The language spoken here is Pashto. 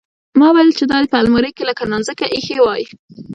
ما ويل چې دا دې په المارۍ کښې لکه نانځکه ايښې واى.